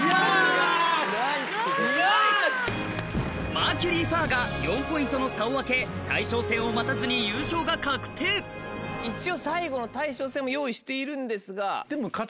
『マーキュリー・ファー』が４ポイントの差を開け大将戦を待たずに優勝が確定一応最後の大将戦も用意しているんですが。